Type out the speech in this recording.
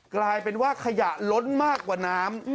กลายเป็นว่าขยะล้นมากกว่าน้ำ